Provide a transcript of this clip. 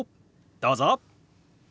どうぞ。